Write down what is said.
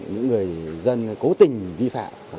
những người dân cố tình vi phạm